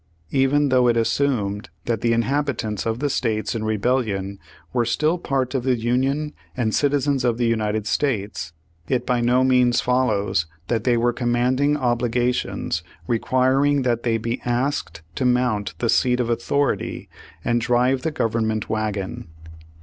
Even though it is assumed that the inhabitants of the states in Rebellion were 20 Page One Hundred fifty four still part of the Union and citizens of the United States, it by no means follows that there were commanding obligations requiring that they be asked to mount the seat of authority and drive the Government wagon.